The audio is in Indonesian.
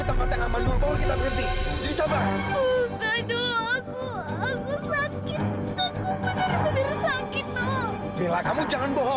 ado aku gak bohong do aku benar benar sakit